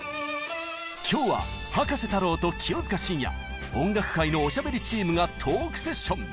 今日は葉加瀬太郎と清塚信也音楽界のおしゃべりチームがトークセッション！